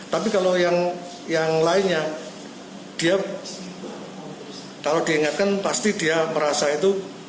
tapi kalau yang lainnya dia kalau diingatkan pasti dia merasa itu